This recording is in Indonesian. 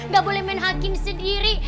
gak boleh main hakim sendiri